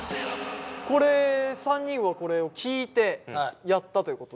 これ３人はこれを聞いてやったということ？